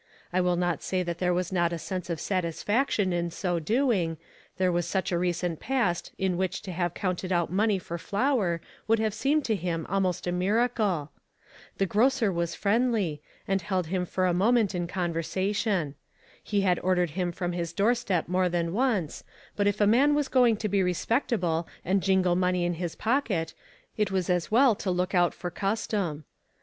I will not say that there was not a sense of satisfaction in so doing; there was such a recent past in which to have counted out money for flour would have seemed to him almost a miracle ! The grocer was friendly, "ONLY A QUESTION OF TIME." 453 and held him for a moment in conversation. He had ordered him from his doorstep more than once, but if the man was going to be respectable and jingle money in his pocket, it was as well to look out for cus tom.